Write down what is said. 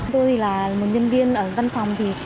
tôi là một nhân viên ở văn phòng